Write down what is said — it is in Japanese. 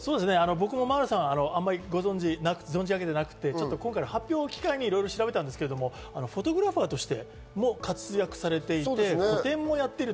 僕も茉愛羅さん、あまり存じ上げていなくて、今回、発表を機会に調べたんですけど、フォトグラファーとしても活躍されていて、個展もやっている。